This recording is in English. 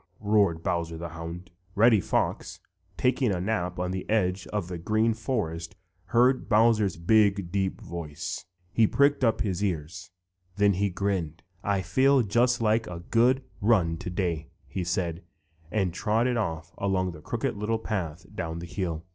roared Bowser the Hound. Reddy Fox, taking a nap on the edge of the Green Forest, heard Bowser's big, deep voice. He pricked up his ears, then he grinned. "I feel just like a good run today," said he, and trotted off along the Crooked Little Path down the hill.